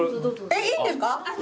えっいいんですか？